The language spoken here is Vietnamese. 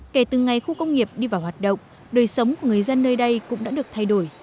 kể từ ngày khu công nghiệp đi vào hoạt động đời sống của người dân nơi đây cũng đã được thay đổi